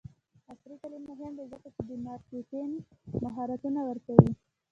عصري تعلیم مهم دی ځکه چې د مارکیټینګ مهارتونه ورکوي.